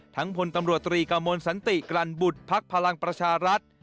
ทั้งผลตำรวจตรีกะโมนสันติกรรบุตรพักพลังประชารัฐ